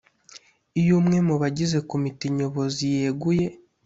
Iyo umwe mu bagize komite nyobozi yeguye